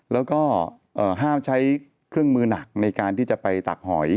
แล้วก็ห้ามใช้เครื่องมือหนักในการที่จะไปตักหอย